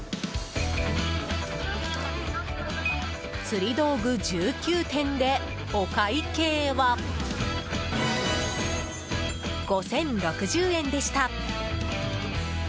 釣り道具１９点でお会計は５０６０円でした。